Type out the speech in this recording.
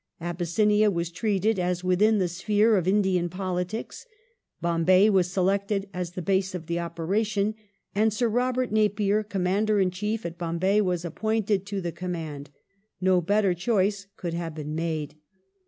Abyssinia was treated as within the sphere of Indian politics. Bombay was selected as the base of the expedition, and Sir Robert Napier, Commander in Chief at Bombay, was appointed to the command. No better choice could have been made.